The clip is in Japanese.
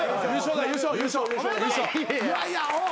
いやいや。